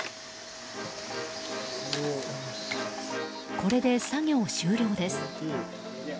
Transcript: これで作業終了です。